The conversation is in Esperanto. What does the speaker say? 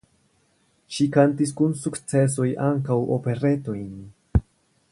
Ŝi kantis kun sukcesoj ankaŭ operetojn.